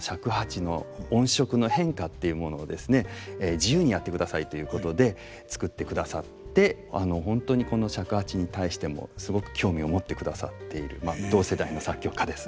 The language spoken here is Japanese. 自由にやってくださいということで作ってくださって本当にこの尺八に対してもすごく興味を持ってくださっている同世代の作曲家です。